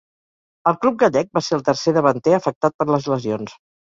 Al club gallec va ser el tercer davanter, afectat per les lesions.